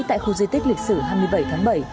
tại khu di tích lịch sử hai mươi bảy tháng bảy